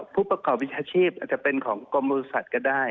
ผู้ประกอบวิชาชีพอาจจะเป็นของกรมบริษัทก็ได้